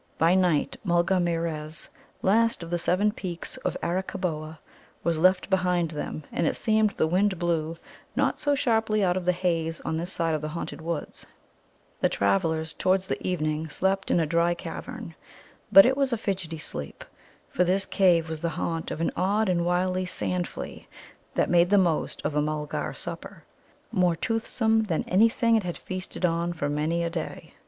By night Mulgarmeerez, last of the seven peaks of Arakkaboa, was left behind them, and it seemed the wind blew not so sharply out of the haze on this side of the haunted woods. The travellers towards evening slept in a dry cavern. But it was a fidgety sleep, for this cave was the haunt of an odd and wily sand flea that made the most of a Mulgar supper, more toothsome than anything it had feasted on for many a day.